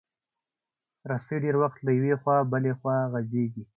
رسۍ ډېر وخت له یوې خوا بله خوا غځېږي.